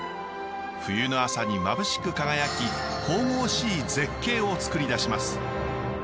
冬の朝にまぶしく輝き神々しい絶景をつくり出します。